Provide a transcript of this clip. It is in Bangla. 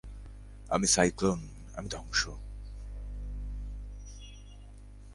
আমি সাইক্লোন, আমি ধ্বংস!